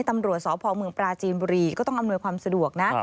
ตำรวจสพเมืองปราจีนบุรีก็ต้องอำนวยความสะดวกนะ